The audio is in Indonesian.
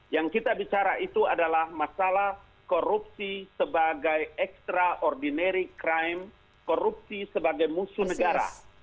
yang kita bicara itu adalah masalah korupsi sebagai extraordinary crime korupsi sebagai musuh negara